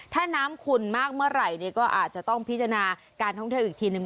ถ้าน้ำขุ่นมากเมื่อไหร่ก็อาจจะต้องพิจารณาการท่องเที่ยวอีกทีนึง